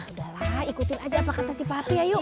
udahlah ikutin aja apa kata si papih ayo